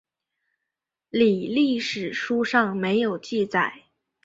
李历史书上没有记载。